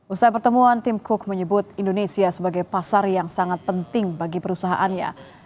usai pertemuan tim cook menyebut indonesia sebagai pasar yang sangat penting bagi perusahaannya